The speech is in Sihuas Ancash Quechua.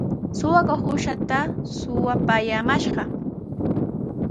Suqakuq uushaata suqapumashqa.